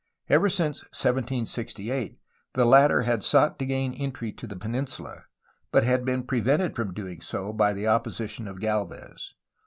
Ever since 1768 the latter had sought to gain entry to the peninsula, but had been prevented from so doing by the opposition of Galvez.